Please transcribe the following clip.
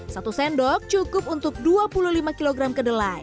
satu sendok cukup untuk dua puluh lima kg kedelai